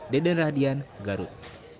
deden radian garut